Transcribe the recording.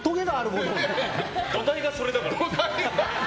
土台がそれだからな。